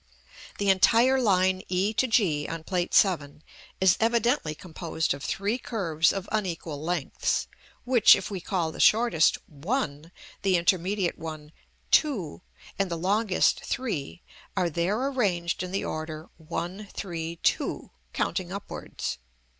The entire line e to g on Plate VII., is evidently composed of three curves of unequal lengths, which if we call the shortest 1, the intermediate one 2, and the longest 3, are there arranged in the order 1, 3, 2, counting upwards.